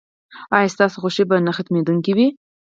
ایا ستاسو خوښي به نه ختمیدونکې وي؟